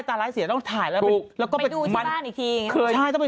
สิ่งที่สำคัญทุกคนต้องเอามือถือไป